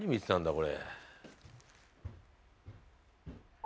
これ。